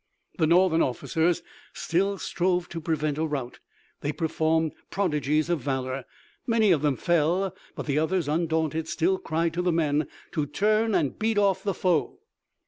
The Northern officers, still strove to prevent a rout. They performed prodigies of valor. Many of them fell, but the others, undaunted, still cried to the men to turn and beat off the foe.